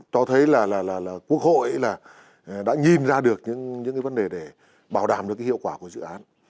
cho thấy là quốc hội là đã nhìn ra được những cái vấn đề để bảo đảm được cái hiệu quả của dự án